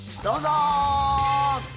どうぞ！